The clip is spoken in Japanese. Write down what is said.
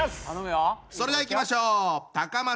それではいきましょう。